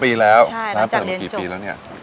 ๑๐ปีแล้วแล้วจากเรียนจบ